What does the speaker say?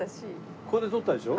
ここで撮ったでしょ？